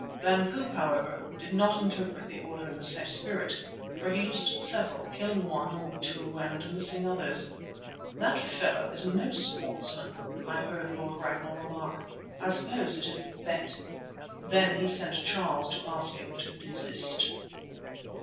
Van Koop, however, did not interpret the order in the same spirit, for he loosed at several, killing one or two and missing others. "That fellow is no sportsman," I heard Lord Ragnall remark. "I suppose it is the bet." Then he sent Charles to ask him to desist.